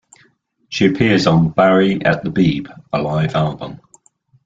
She appears on "Bowie at the Beeb", a live album.